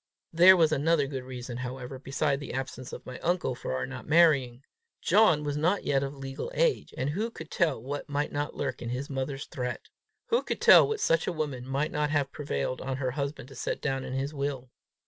There was another good reason, however, besides the absence of my uncle, for our not marrying: John was not yet of legal age, and who could tell what might not lurk in his mother's threat! Who could tell what such a woman might not have prevailed on her husband to set down in his will!